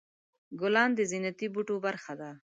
ګلان د زینتي بوټو برخه ده.